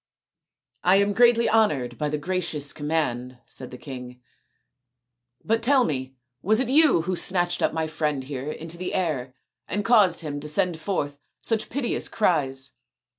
" I am greatly honoured by the gracious com mand," said the king, " but tell me, was it you who snatched up my friend here into the air and caused him to send forth such piteous cries."